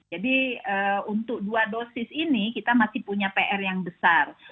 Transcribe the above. jadi untuk dua dosis ini kita masih punya pr yang besar